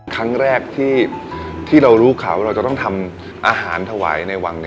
ครั้งแรกที่เรารู้ข่าวว่าเราจะต้องทำอาหารถวายในวัง